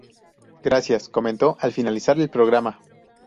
Gracias…", comentó al finalizar el programa.